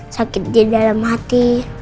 sakit di dalam hati